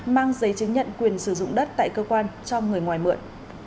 mang giấy chứng nhận quyền sử dụng đất tại cơ quan cho người ngoài mượn